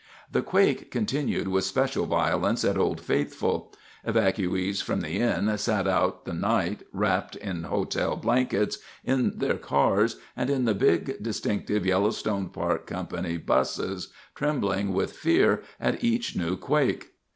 The quakes continued with especial violence at Old Faithful. Evacuees from the Inn sat out the night, wrapped in hotel blankets, in their cars and in the big, distinctive Yellowstone Park Co. busses, trembling with fear at each new quake.